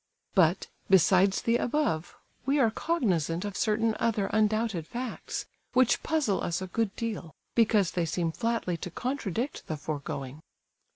But, besides the above, we are cognizant of certain other undoubted facts, which puzzle us a good deal because they seem flatly to contradict the foregoing.